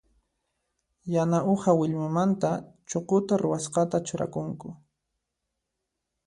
Yana uha willmamanta chukuta ruwasqata churakunku.